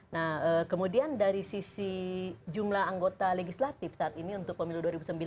nah kemudian dari sisi jumlah anggota legislatif saat ini untuk pemilu dua ribu sembilan belas